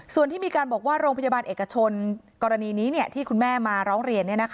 ส่วนที่มีการบอกว่าโรงพยาบาลเอกชนกรณีนี้ที่คุณแม่มาร้องเรียน